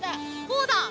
そうだ！